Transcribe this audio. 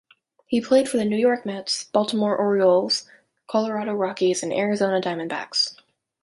He played for the New York Mets, Baltimore Orioles, Colorado Rockies and Arizona Diamondbacks.